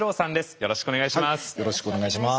よろしくお願いします。